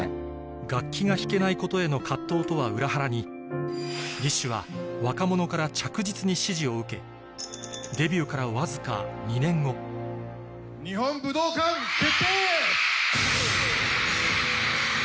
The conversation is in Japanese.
楽器が弾けないことへの藤とは裏腹にＤＩＳＨ／／は若者から着実に支持を受けわずか日本武道館決定！